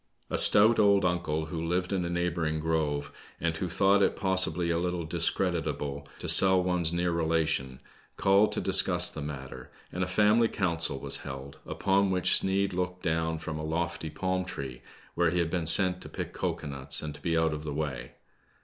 A stout 108 BLACK SNEID. old uncle who lived in a neighboring grove, ^d who thought it possibly a little discreditable to sell one's near relation, called to discuss the matter, ^nd a family council was held, upon which Sneid looked down from a lofty palm tree, where he had been sent to pick cocoa nuts, and to be out of the way.